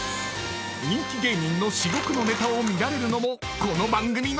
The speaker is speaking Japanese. ［人気芸人の至極のネタを見られるのもこの番組の魅力］